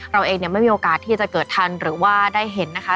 เราเองเนี่ยไม่มีโอกาสที่จะเกิดทันหรือว่าได้เห็นนะคะ